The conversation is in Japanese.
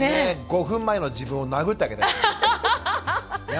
５分前の自分を殴ってあげたいですね。